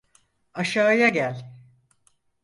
Aşağıya gel.